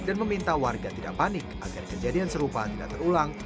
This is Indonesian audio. dan meminta warga tidak panik agar kejadian serupa tidak terulang